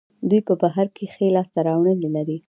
دوی په بهر کې ښې لاسته راوړنې لري.